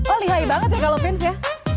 oh lihai banget ya kalau pins ya